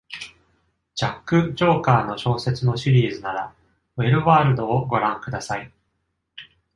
ジャック・チョーカーの小説のシリーズならウェルワールドをご覧ください。